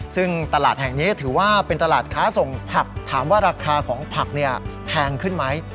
ซึ่งตลาดแห่งนี้ถือว่าเป็นตลาดค้าส่งผักถามว่าราคาของผักแพงขึ้นไหม